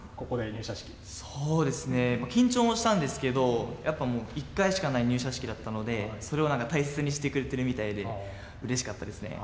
そうですね、緊張もしたんですけど、やっぱりもう、１回しかない入社式だったので、それはなんか大切にしてくれてるみたいでうれしかったですね。